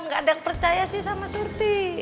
enggak ada yang percaya sih sama surti